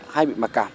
hay bị mặc cảm